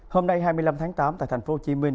hôm nay hai mươi năm tháng tám tại tp hcm